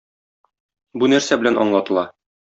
Бу нәрсә белән аңлатыла?